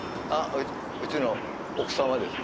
うちの奥様です。